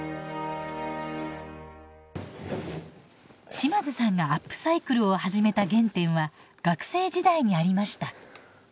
島津さんがアップサイクルを始めた原点は学生時代にありました。